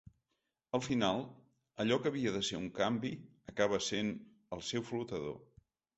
Al final, allò que havia de ser un canvi acaba essent el seu flotador.